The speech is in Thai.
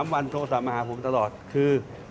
๓วันโทรสามหาผมตลอดคือ